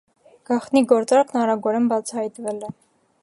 Գաղտնի գործարքն արագորեն բացահայտվել է։